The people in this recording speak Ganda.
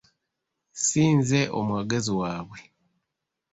si nze omwogezi waabwe.